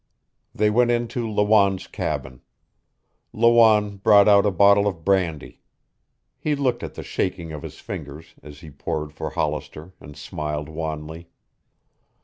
They went into Lawanne's cabin. Lawanne brought out a bottle of brandy. He looked at the shaking of his fingers as he poured for Hollister and smiled wanly.